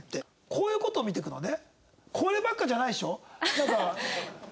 こういう事を見ていくのね？